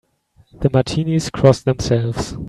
The Martinis cross themselves.